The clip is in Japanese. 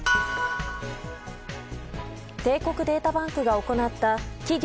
帝国データバンクが行った企業